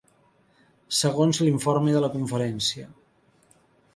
Segons l'informe de la conferència.